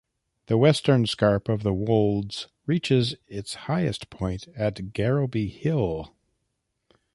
The western scarp of the Wolds reaches is highest point at Garrowby Hill.